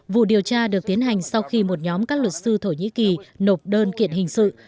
vụ điều tra được tiến hành sau khi một nhóm các luật sư thổ nhĩ kỳ nộp đơn kiện hình sự